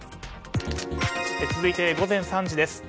続いて、午前３時です。